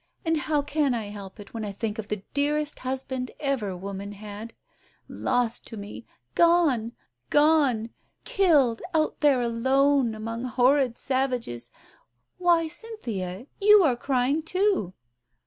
And how can I help it, when I think of the dearest husband ever woman had, lost to me, gone — gone — killed, out there alone, among horrid savages. ... Why, Cynthia, you are crying too